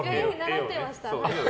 習ってました。